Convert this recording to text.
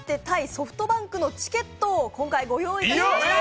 ソフトバンクのチケットを今回、ご用意いたしました。